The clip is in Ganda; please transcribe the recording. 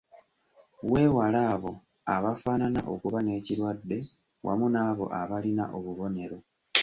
Weewale abo abafaanana okuba n’ekirwadde wamu n’abo abalina obubonero.